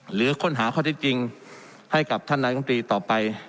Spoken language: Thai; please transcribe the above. หรือค้นหาข้อเท็จจริงให้กับท่านนายกรรมตรีต่อไป